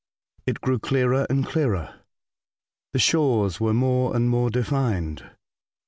It grew clearer and clearer. The shores were more and more defined.